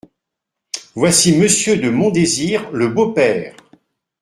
Voici Monsieur de Montdésir, le beau-père !…